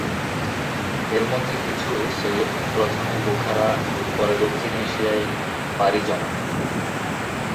এর মধ্যে কিছু সৈয়দ প্রথমে বুখারা এবং পরে দক্ষিণ এশিয়ায় পাড়ি জমান।